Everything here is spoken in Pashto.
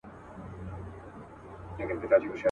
پر دا خپله خرابه مېنه مین یو.